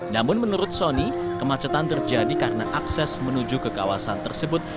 namun menurut sony kemacetan terjadi karena akses menuju ke kawasan tersebut